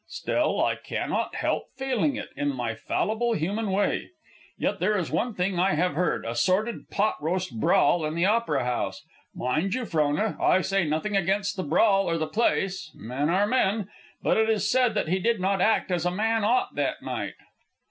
Still, I cannot help feeling it, in my fallible human way. Yet there is one thing I have heard, a sordid pot house brawl in the Opera House. Mind you, Frona, I say nothing against the brawl or the place, men are men, but it is said that he did not act as a man ought that night."